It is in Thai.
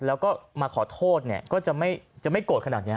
แล้วก็มาขอโทษเนี่ยก็จะไม่โกรธขนาดนี้